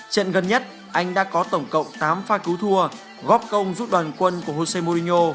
trận gần nhất anh đã có tổng cộng tám pha cứu thua góp công giúp đoàn quân của josemrino